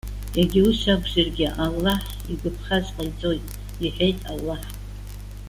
Иагьа ус акәзаргьы, Аллаҳ игәаԥхаз ҟаиҵоит!- иҳәеит Аллаҳ.